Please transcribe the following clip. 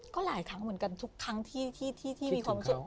ก็หลายครั้งเหมือนกันทุกครั้งที่มีความรู้สึก